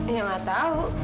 ya nggak tahu